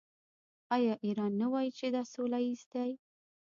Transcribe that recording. آیا ایران نه وايي چې دا سوله ییز دی؟